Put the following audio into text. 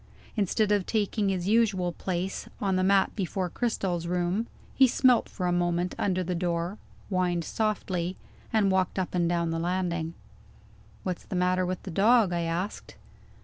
Instead of taking his usual place, on the mat before Cristel's room, he smelt for a moment under the door whined softly and walked up and down the landing. "What's the matter with the dog?" I asked.